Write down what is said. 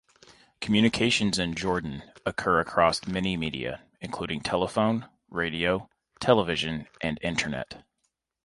Communications in Jordan occur across many media, including telephone, radio, television, and internet.